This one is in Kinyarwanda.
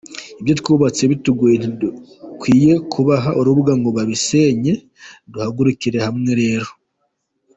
Ibyo twubatse bitugoye ntidukwiye kubaha urubuga ngo babisenye, duhagurukire hamwe rero”.